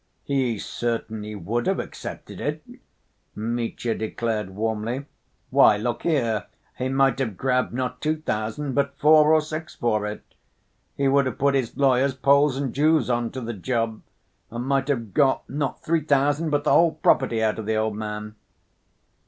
"He certainly would have accepted it," Mitya declared warmly. "Why, look here, he might have grabbed not two thousand, but four or six, for it. He would have put his lawyers, Poles and Jews, on to the job, and might have got, not three thousand, but the whole property out of the old man."